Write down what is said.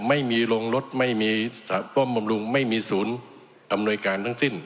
ไม่มีโรงรถไม่มีสระป้อมบำรุงไม่มีศูนย์อำนวยการทั้งสิ้น